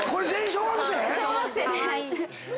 小学生で。